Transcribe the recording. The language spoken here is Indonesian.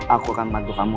aku akan bantu kamu